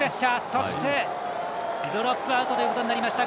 そして、ドロップアウトということになりました。